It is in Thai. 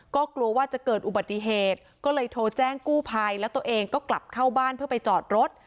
ก็กลัวว่าจะเกิดอุบัติเหตุก็เลยโทรแจ้งกู้ภัยแล้วตัวเองก็กลับเข้าบ้านเพื่อไปจอดรถ